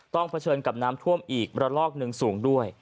เผชิญกับน้ำท่วมอีกระลอกหนึ่งสูงด้วย